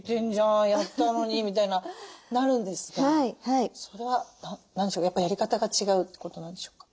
やったのに」みたいななるんですがそれはやっぱりやり方が違うってことなんでしょうか？